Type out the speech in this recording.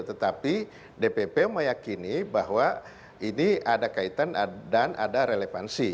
tetapi dpp meyakini bahwa ini ada kaitan dan ada relevansi